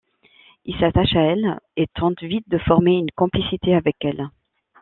Il s'attache à elle, et tente vite de former une complicité avec elle.